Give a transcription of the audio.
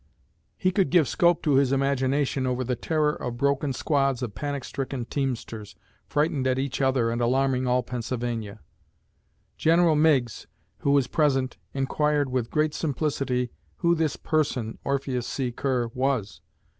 He could give scope to his imagination over the terror of broken squads of panic stricken teamsters, frightened at each other and alarming all Pennsylvania. General Meigs, who was present, inquired with great simplicity who this person (Orpheus C. Kerr) was.